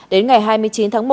đến ngày hai mươi chín tháng một